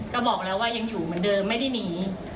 ก็บอกแล้วว่ายังอยู่เหมือนเดิมไม่ได้หนี